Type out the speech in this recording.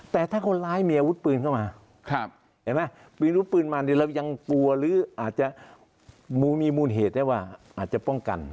แต่ถ้าคนร้ายมีอาวุธปืนเข้ามาเห็นไหมปืนลูกปืนมาเรายังกลัวหรืออาจจะมีมูลเหตุได้ว่าอาจจะป้องกัน